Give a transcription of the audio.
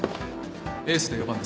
エースで４番です。